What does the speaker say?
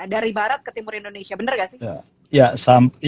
dari barat ke timur indonesia bener gak sih